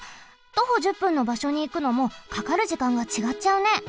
徒歩１０分のばしょにいくのもかかる時間がちがっちゃうね。